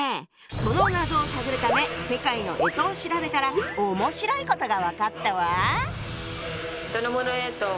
その謎を探るため世界の干支を調べたら面白いことが分かったわ！